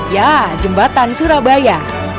ya jembatan surabaya